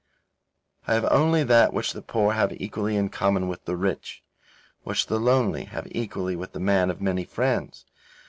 I have only that which the poor have equally with the rich; which the lonely have equally with the man of many friends.